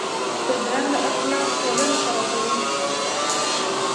بدرنګه اخلاق ټولنه خرابوي